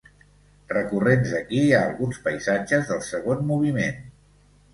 Recurrents aquí hi ha alguns paisatges del segon moviment.